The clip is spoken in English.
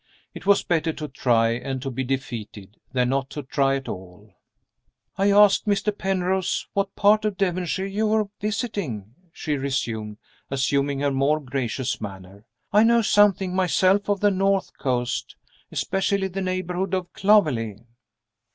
It was better to try, and to be defeated, than not to try at all. "I asked Mr. Penrose what part of Devonshire you were visiting," she resumed, assuming her more gracious manner. "I know something myself of the north coast, especially the neighborhood of Clovelly."